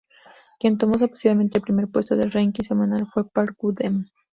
Quien tomó sorpresivamente el primer puesto del ranking semanal fue Park Woo-dam.